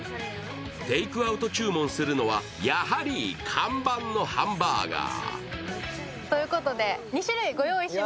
テイクアウト注文するのはやはり看板のハンバーガー。